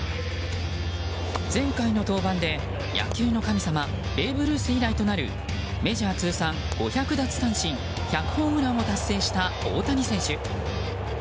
前回の登板で野球の神様ベーブ・ルース以来となるメジャー通算５００奪三振１００ホームランを達成した大谷選手。